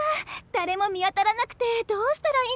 誰も見当たらなくてどうしたらいいのかと。